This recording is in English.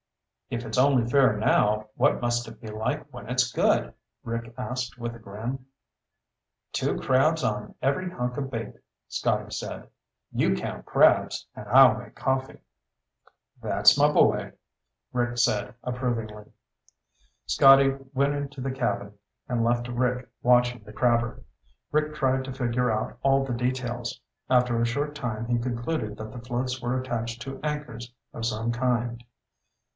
"If it's only fair now, what must it be like when it's good?" Rick asked with a grin. "Two crabs on every hunk of bait," Scotty said. "You count crabs and I'll make coffee." "That's my boy," Rick said approvingly. Scotty went into the cabin and left Rick watching the crabber. Rick tried to figure out all the details. After a short time he concluded that the floats were attached to anchors of some kind.